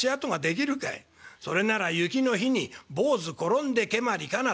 それなら『雪の日に坊主転んで蹴鞠かな』